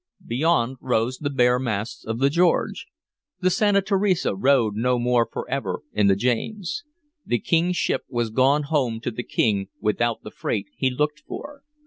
Beyond rose the bare masts of the George. The Santa Teresa rode no more forever in the James. The King's ship was gone home to the King without the freight he looked for.